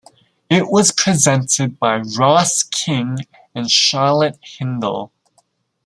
It was presented by Ross King and Charlotte Hindle.